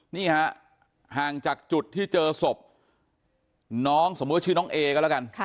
นี่ฮะห่างจากจุดที่เจอศพน้องสมมุติว่าชื่อน้องเอก็แล้วกัน